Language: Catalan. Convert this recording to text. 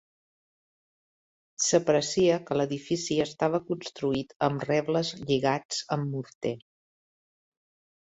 S'aprecia que l'edifici estava construït amb rebles lligats amb morter.